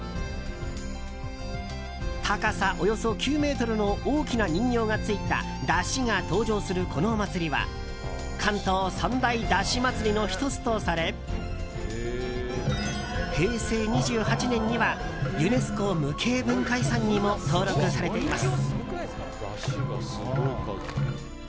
高さおよそ９ｍの大きな人形がついた山車が登場する、このお祭りは関東三大山車祭りの１つとされ平成２８年にはユネスコ無形文化遺産にも登録されています。